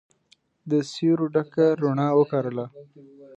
د سیورو ډکه روڼا وکرله